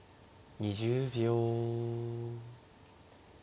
２０秒。